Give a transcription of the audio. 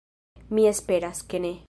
Mi esperas, ke ne!